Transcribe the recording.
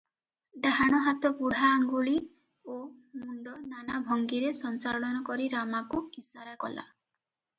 ଡାହାଣ ହାତ ବୁଢା ଆଙ୍ଗୁଳି ଓ ମୁଣ୍ଡ ନାନା ଭଙ୍ଗିରେ ସଞ୍ଚାଳନ କରି ରାମାକୁ ଇଶାରା କଲା ।